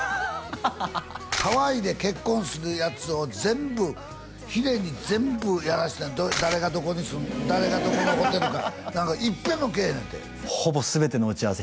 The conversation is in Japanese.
ハハハハハハワイで結婚するやつを全部ヒデに全部やらせて誰がどこに誰がどこのホテルかいっぺんも来えへんねんてほぼ全ての打ち合わせ